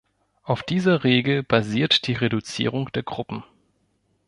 Auf dieser Regel basiert die Reduzierung der Gruppen.